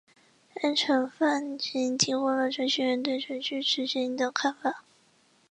编程范型提供了程序员对程序执行的看法。